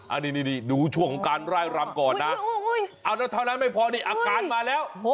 อันนี้ดูช่วงการไล่รำก่อนอาการก็มาแล้ว